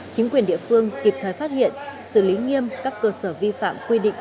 chính quyền địa phương kịp thời phát hiện xử lý nghiêm các cơ sở vi phạm quy định